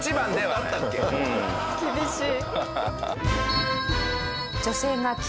厳しい。